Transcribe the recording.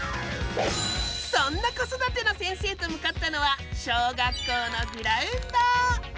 そんな子育ての先生と向かったのは小学校のグラウンド。